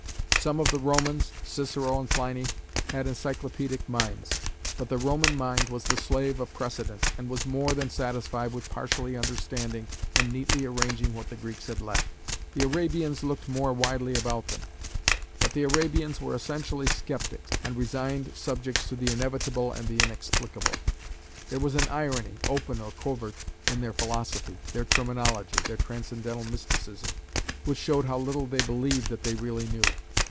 Some of the Romans, Cicero and Pliny, had encyclopædic minds; but the Roman mind was the slave of precedent, and was more than satisfied with partially understanding and neatly arranging what the Greeks had left. The Arabians looked more widely about them; but the Arabians were essentially sceptics, and resigned subjects to the inevitable and the inexplicable; there was an irony, open or covert, in their philosophy, their terminology, their transcendental mysticism, which showed how little they believed that they really knew.